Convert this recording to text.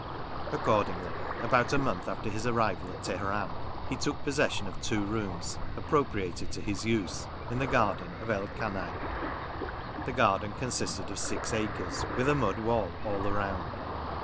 Accordingly, about a month after his arrival at Teheran, he took pos session of two rooms, appropriated to his use, in the garden of El Kanai. This garden consisted of six acres, with a mud wall all round.